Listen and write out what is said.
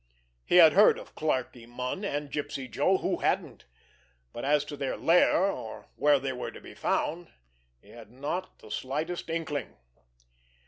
He had heard of Clarkie Munn and Gypsy Joe—who hadn't?—but as to their lair, or where they were to be found, he had not had the slightest inkling.